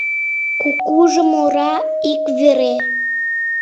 Кукужо мура ик вере